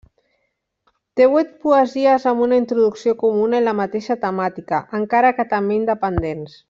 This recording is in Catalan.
Té vuit poesies amb una introducció comuna i la mateixa temàtica, encara que també independents.